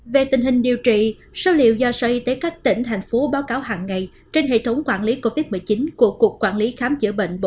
về tình hình điều trị số liệu do sở y tế các tỉnh thành phố báo cáo hàng ngày trên hệ thống quản lý covid một mươi chín